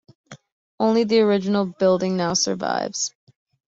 Only the original building now survives.